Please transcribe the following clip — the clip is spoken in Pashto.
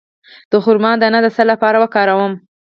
د خرما دانه د څه لپاره وکاروم؟